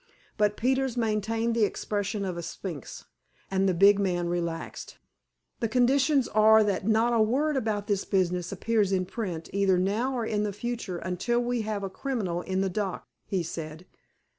But Peters maintained the expression of a sphinx, and the big man relaxed. "The conditions are that not a word about this business appears in print, either now or in the future until we have a criminal in the dock," he said.